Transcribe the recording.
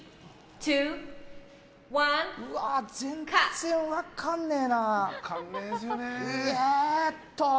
うわ、全然分かんねえな。